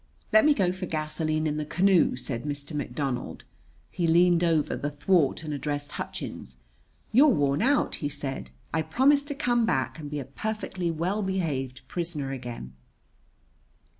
"Let me go for gasoline in the canoe," said Mr. McDonald. He leaned over the thwart and addressed Hutchins. "You're worn out," he said. "I promise to come back and be a perfectly well behaved prisoner again."